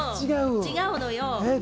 違うのよ。